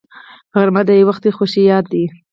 غرمه د یووختي خوښۍ یاد ده